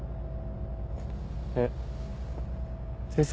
えっ先生